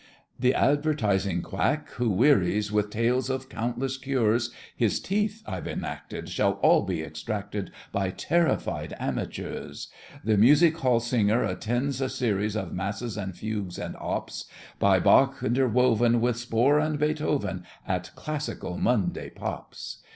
The advertising quack who wearies With tales of countless cures, His teeth, I've enacted, Shall all be extracted By terrified amateurs. The music hall singer attends a series Of masses and fugues and "ops" By Bach, interwoven With Spohr and Beethoven, At classical Monday Pops.